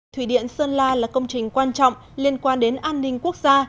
thủy điện sơn la là công trình quan trọng liên quan đến an ninh quốc gia